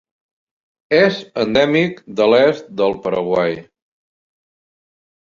És endèmic de l'est del Paraguai.